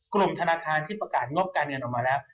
กลุ่มธนาคารที่ประกาศงบการเงินออกมาแล้ว